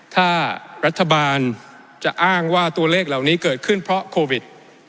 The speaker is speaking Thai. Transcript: ถ้ารัฐบาลจะอ้างว่าตัวเลขเหล่านี้เกิดขึ้นเพราะโควิด